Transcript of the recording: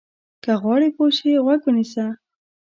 که غواړې پوه شې، غوږ ونیسه.